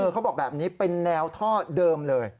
เขาบอกแบบนี้เป็นแนวท่อเดิมเลย